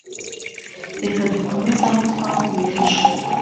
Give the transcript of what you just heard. reka dukomeze aho twavuye ejo